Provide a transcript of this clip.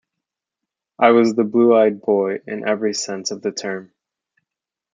I was the blue-eyed boy in every sense of the term.